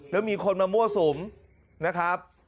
แล้วมีคนมามั่วสุมนะครับ